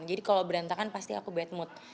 jadi kalau berantakan pasti aku bad mood